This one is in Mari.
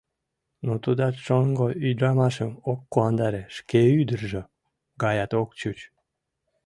Но тудат шоҥго ӱдрамашым ок куандаре, шке ӱдыржӧ гаят ок чуч.